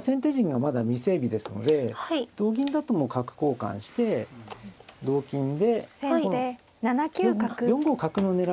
先手陣がまだ未整備ですので同銀だともう角交換して同金で４五角の狙いですかね。